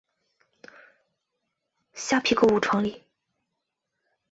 虾皮购物创立。